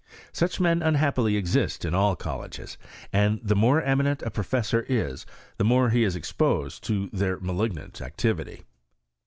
Such men unhappily exist in all colleges, and the more eminent a professor is, the more is he exposed to their malignant activity.